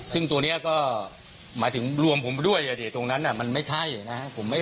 ซึ่งตัวเนี้ยก็มาถึงรวมมาด้วยโดยที่ตรงนั้เนี้ยไม่ใช่นะครับ